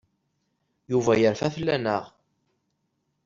Yuba yerfa fell-aneɣ.